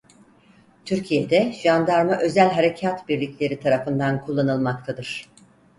Türkiye'de Jandarma Özel Harekât birlikleri tarafından kullanılmaktadır.